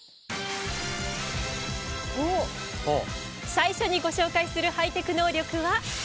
最初にご紹介するハイテク能力は。